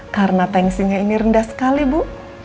karena tensinya ini rendah sekali bu